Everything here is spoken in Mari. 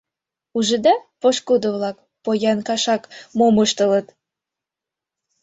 — Ужыда, пошкудо-влак, поян кашак мом ыштылыт?